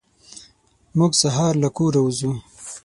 موږ سهار له کوره وځو.